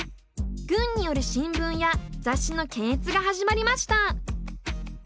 軍による新聞や雑誌の検閲が始まりました。